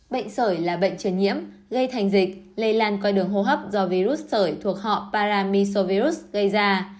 bệnh sởi là bệnh truyền nhiễm gây thành dịch lây lan qua đường hô hấp do virus sởi thuộc họ paramisovirus gây ra